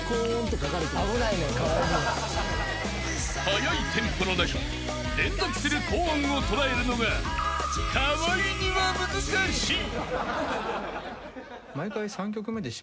［速いテンポの中連続する高音を捉えるのが河合には難しい］